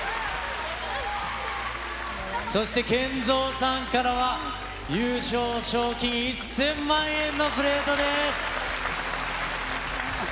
そしてＫＥＮＺＯさんからは、優勝賞金１０００万円のプレートです。